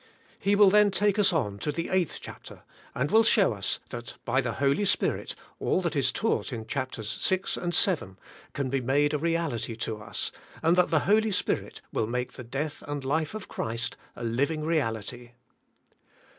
He will then take us on to the 8th chapter, and will show us that by the Holy Spirit all that is taught in chapters 6 and 7 can be made a reality to us, and that the Holy Spirit will make the death and life of Christ a liv ing reality.